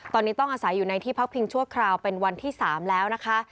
ตอนนี้ต้องอาศัยอยู่ในที่พักพิงชั่วคราวเป็นวันที่๓แล้วนะคะ